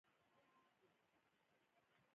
جانداد د ښې لارې لارښود دی.